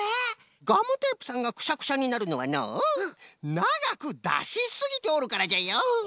ガムテープさんがくしゃくしゃになるのはのうながくだしすぎておるからじゃよ！